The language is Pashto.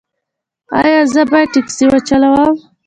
ایا زه باید ټکسي وچلوم؟